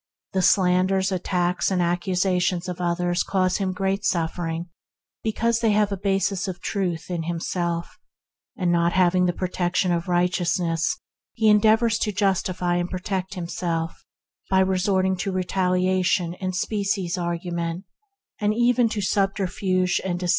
The slanders, attacks, and accusations of others cause him great suffering because they have a basis of truth in himself; not having the protection of righteousness, he endeavors to justify and protect him self by resorting to retaliation and specious argument, and even to subterfuge and deceit.